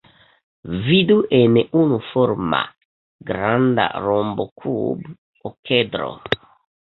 Vidu en unuforma granda rombokub-okedro.